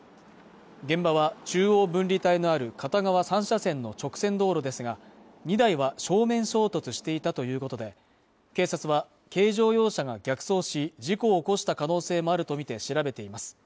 現場は中央分離帯のある片側３車線の直線道路ですが２台は正面衝突していたということで警察は軽乗用車が逆走し事故を起こした可能性もあるとみて調べています